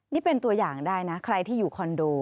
นี่เป็นตัวอย่างได้นะใครที่อยู่คอนโด